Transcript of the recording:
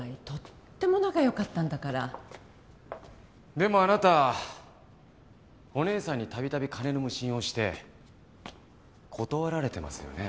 でもあなたお姉さんにたびたび金の無心をして断られてますよね？